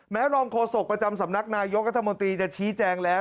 รองโฆษกประจำสำนักนายกรัฐมนตรีจะชี้แจงแล้ว